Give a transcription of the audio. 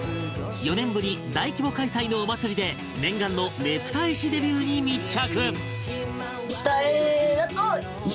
４年ぶり大規模開催のお祭りで念願のねぷた絵師デビューに密着！